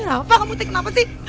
rafa kamu teh kenapa sih